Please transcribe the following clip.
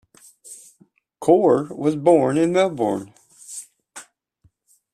Corr was born in Melbourne.